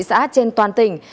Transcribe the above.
xã trên toàn tỉnh